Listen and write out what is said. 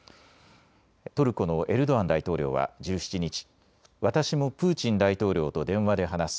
トルコのエルドアン大統領は１７日、私もプーチン大統領と電話で話す。